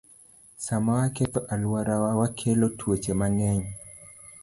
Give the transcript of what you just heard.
Sama waketho alworawa, wakelo tuoche mang'eny.